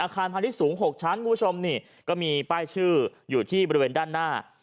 ก็มีป้ายชื่ออยู่ที่บริเวณด้านหน้า